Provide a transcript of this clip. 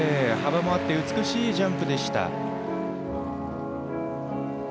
幅もあって美しいジャンプでした。